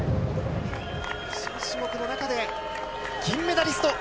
新種目の中で銀メダリスト。